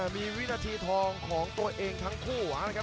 มีวินาทีทองของตัวเองทั้งคู่นะครับ